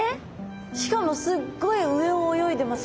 しかもすっごい上を泳いでますね！